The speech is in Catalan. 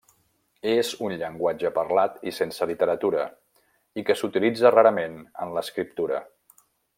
És un llenguatge parlat i sense literatura, i que s'utilitza rarament en l'escriptura.